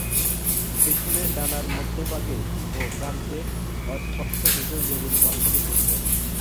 পিছনের ডানার মধ্যভাগে ও প্রান্তে অস্পষ্ট ধূসর বেগুনি বন্ধনী চোখে পরে।